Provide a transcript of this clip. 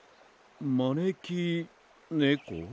まねきねこ？